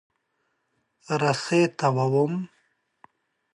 رسۍ تاووم.